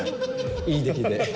いい出来で。